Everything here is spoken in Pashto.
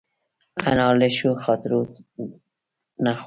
انا له ښو خاطرو نه خوښېږي